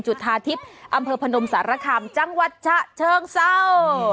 จุธาทิพย์อำเภอพนมสารคำจังหวัดชะเชิงเศร้า